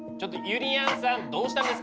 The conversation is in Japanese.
ゆりやんさん！